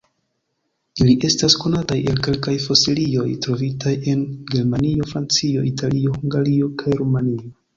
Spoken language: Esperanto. Ili estas konataj el kelkaj fosilioj trovitaj en Germanio, Francio, Italio, Hungario kaj Rumanio.